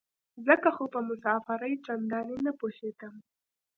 ځکه خو په مسافرۍ چندانې نه پوهېدم.